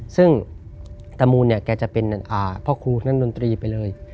ซึ่งตะมูลเนี่ยแกจะเป็นพ่อครูนักดนตรีไปเลย